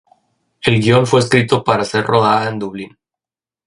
El guion fue escrito para ser rodada en Dublín.